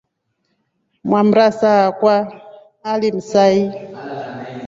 Mwamrasa wakwa alimsai.